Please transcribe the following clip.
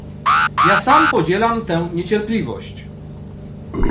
Ja sam podzielam tę niecierpliwość